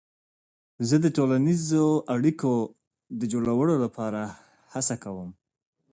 زه د ټولنیزو اړیکو د جوړولو لپاره هڅه کوم.